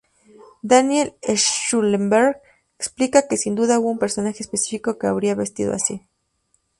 Daniel Schlumberger explica que sin duda hubo un personaje específico que habría vestido así.